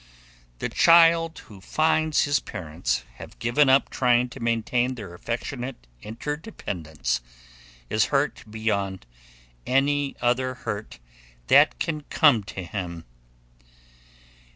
The child who finds his parents have given up trying to maintain their affectionate interdependence is hurt beyond any other hurt that can come to him.